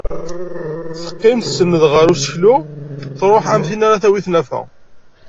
Teqqim tsenned ɣer useklu truḥ am tin ara tawi tnafa.